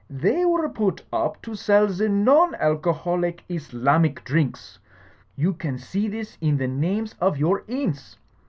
They were put up to sell ze non alcoholic Islamic drinks. You can see this in the names of your inns.